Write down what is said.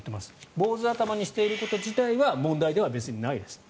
坊主頭にしていること自体は問題ではないですと。